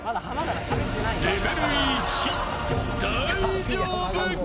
レベル１、大丈夫か。